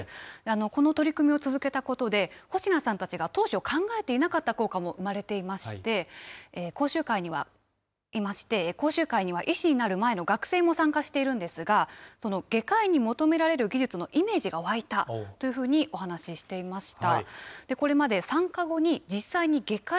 この取り組みを続けたことで保科さんたちが当初考えていなかった効果も生まれていまして、講習会には医師になる前の学生も参加しているんですが、その外科医に求められる技術のイメージが湧いたというふうにお話していました。